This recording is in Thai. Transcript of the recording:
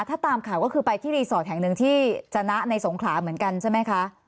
ถ้าตามข่าวก็คือไปที่รีสอร์ทแห่งหนึ่งที่จนะในสงขลาเหมือนกันใช่ไหมคะ